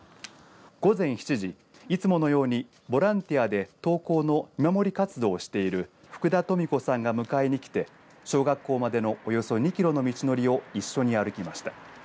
午前７時いつものようにボランティアで登校の見守り活動をしている福田トミ子さんが迎えにきて小学校までのおよそ２キロの道のりを一緒に歩きました。